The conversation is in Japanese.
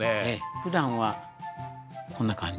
ふだんはこんな感じ。